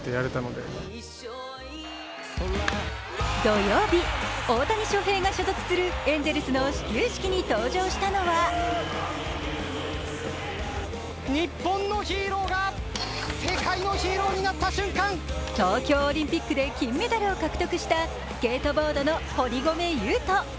土曜日、大谷翔平が所属するエンゼルスの始球式に登場したのは東京オリンピックで金メダルを獲得した、スケートボードの堀米雄斗。